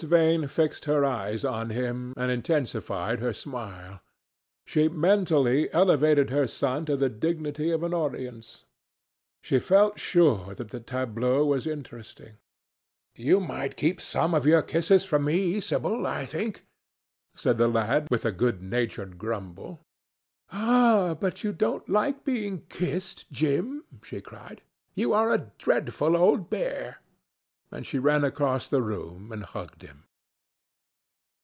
Vane fixed her eyes on him and intensified her smile. She mentally elevated her son to the dignity of an audience. She felt sure that the tableau was interesting. "You might keep some of your kisses for me, Sibyl, I think," said the lad with a good natured grumble. "Ah! but you don't like being kissed, Jim," she cried. "You are a dreadful old bear." And she ran across the room and hugged him.